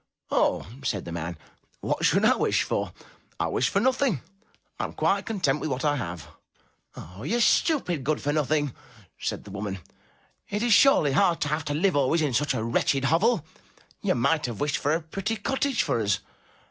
''Oh!" said the man, "What should I wish for? I wished for nothing. I am quite content with what I have." "Ah! you stupid good for nothing," said the woman, "it is surely hard to have to live always in such a wretched hovel; you might have wished for a pretty cottage for us.